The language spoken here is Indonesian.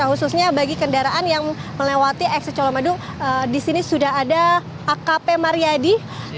nah khususnya bagi kendaraan yang melewati eksit colomadung di sini sudah ada akp mariadi